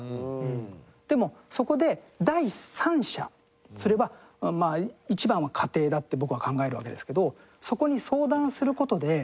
でもそこで第三者それはまあ一番は家庭だって僕は考えるわけですけどそこに相談する事で。